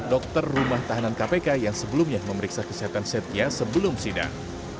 dokter rumah tahanan kpk yang sebelumnya memeriksa kesehatan setia sebelum sidang